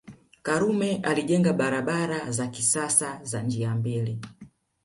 Karume alijenga barabara za kisasa za njia mbili